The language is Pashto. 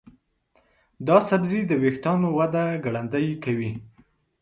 دا سبزی د ویښتانو وده ګړندۍ کوي.